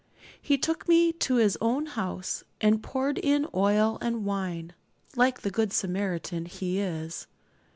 He took me to his own house, and poured in oil and wine, like the good Samaritan he is.